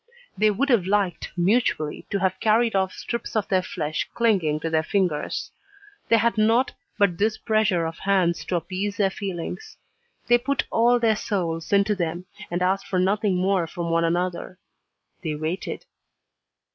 They would have liked, mutually, to have carried off strips of their flesh clinging to their fingers. They had naught but this pressure of hands to appease their feelings. They put all their souls into them, and asked for nothing more from one another. They waited.